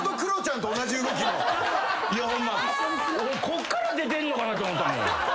こっから出てんのかなって思ったもん。